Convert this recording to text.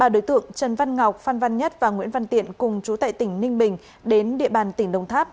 ba đối tượng trần văn ngọc phan văn nhất và nguyễn văn tiện cùng chú tại tỉnh ninh bình đến địa bàn tỉnh đồng tháp